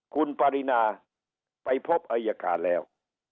คุณปรินาไปพบอายการแล้ว